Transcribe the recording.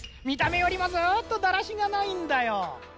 みためよりもずっとだらしがないんだよ。